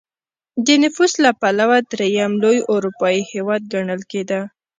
د نفوس له پلوه درېیم لوی اروپايي هېواد ګڼل کېده.